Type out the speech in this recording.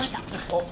おっ。